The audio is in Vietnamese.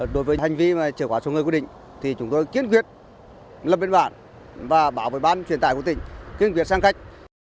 đối với hành vi trở qua số người quy định thì chúng tôi kiên quyết lập biên bản và bảo vệ bán truyền tải của tỉnh kiên quyết xác khách